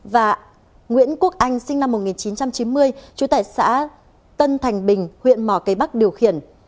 và nguyễn quốc anh sinh năm một nghìn chín trăm chín mươi chú tải xã tân thành bình huyện mỏ cây bắc điều khiển